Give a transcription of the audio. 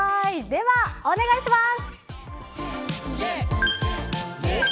では、お願いします。